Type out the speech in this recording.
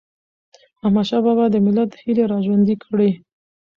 احمدشاه بابا د ملت هيلي را ژوندی کړي.